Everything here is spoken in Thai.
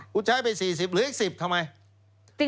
คุณใช้ไป๔๐หรืออีก๑๐ทำไม